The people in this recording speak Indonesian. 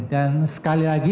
dan sekali lagi